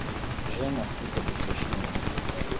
Jeune Afrique dukesha iyi nkuru